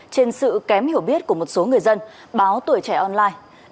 trên sự kém hiểu biết của một số người dân báo tuổi trẻ online